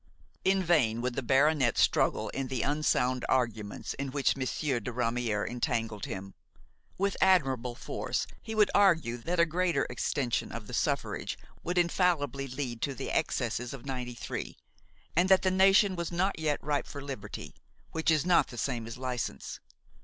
In vain would the baronet struggle in the unsound arguments in which Monsieur de Ramière entangled him; with admirable force he would argue that a greater extension of the suffrage would infallibly lead to the excesses of '93, and that the nation was not yet ripe for liberty, which is not the same as license.